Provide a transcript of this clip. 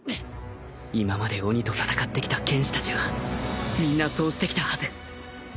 今まで鬼と戦ってきた剣士たちはみんなそうしてきたはず